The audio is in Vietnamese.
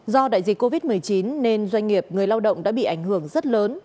do đại dịch covid một mươi chín nên doanh nghiệp người lao động đã bị ảnh hưởng rất lớn